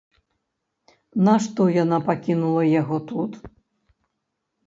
Нашто яна пакінула яго тут?